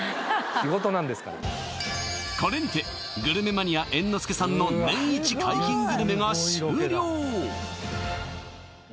仕事なんですからこれにてグルメマニア猿之助さんの年イチ解禁グルメが終了